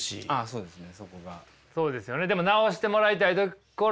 そうですね。